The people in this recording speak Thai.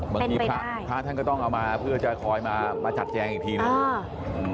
เมื่อกี้พระท่านก็ต้องเอามาเพื่อจะคอยมามาจัดแจงอีกทีนึงอ่า